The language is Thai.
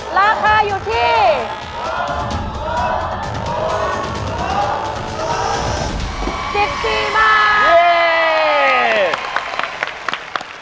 ราคาอยู่ที่๑๔บาท